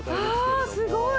わあすごい！